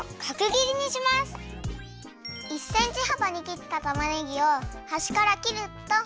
１センチはばに切ったたまねぎをはしから切るっと。